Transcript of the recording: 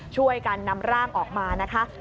ช่วยกันนำร่างออกมานะคะ